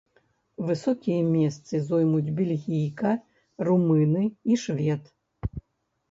Высокія месцы зоймуць бельгійка, румыны і швед.